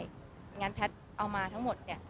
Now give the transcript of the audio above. อย่างนั้นแพทย์เอามาทั้งหมดเนี่ย